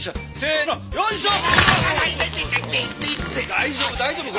大丈夫大丈夫。